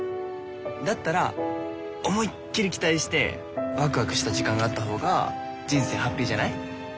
だったら思いっきり期待してワクワクした時間があったほうが人生ハッピーじゃない？